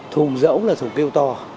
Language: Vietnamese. thùm rỗng là thủng kêu to